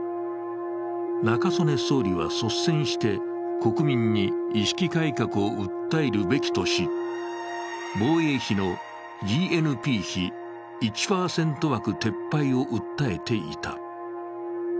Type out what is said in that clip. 中曽根総理は率先して国民に意識改革を訴えるべきとし、防衛費のＧＮＰ比１％枠撤廃を訴えていた。